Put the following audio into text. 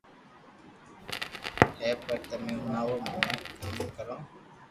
ھي پر تمي ھڻاوُ مني ڪاو ڪرو